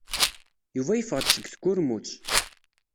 Yuba yeffeɣ-d seg tkurmut.